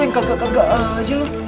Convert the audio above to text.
enggak enggak aja lu